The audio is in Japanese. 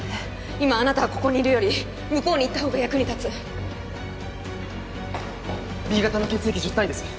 今あなたはここにいるより向こうに行った方が役に立つＢ型の血液１０単位です